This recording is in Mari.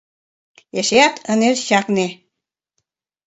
Эшеат ынеж чакне.